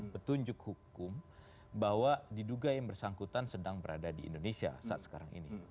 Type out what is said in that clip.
petunjuk hukum bahwa diduga yang bersangkutan sedang berada di indonesia saat sekarang ini